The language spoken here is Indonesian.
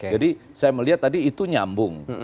jadi saya melihat tadi itu nyambung